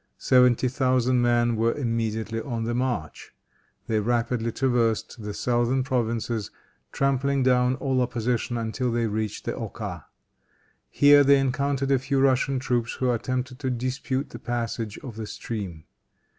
Seventy thousand men were immediately on the march. They rapidly traversed the southern provinces, trampling down all opposition until they reached the Oka. Here they encountered a few Russian troops who attempted to dispute the passage of the stream.